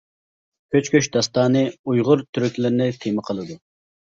كۆچ-كۆچ داستانى: ئۇيغۇر تۈركلىرىنى تېما قىلىدۇ.